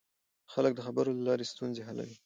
خلک د خبرو له لارې ستونزې حلوي